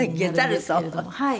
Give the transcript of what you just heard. はい。